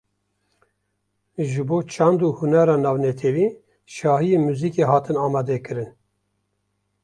Ji Bo Çand û Hunera Navnetewî, şahiyên muzîkê hatin amade kirin